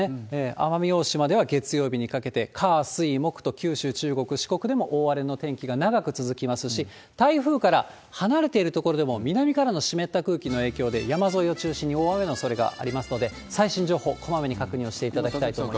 奄美大島では月曜日にかけて、火、水、木と、九州、中国、四国でも大荒れの天気が長く続きますし、台風から離れている所でも、南からの湿った空気の影響で、山沿いを中心に大雨のおそれがありますので、最新情報、こまめに確認をしていただきたいと思います。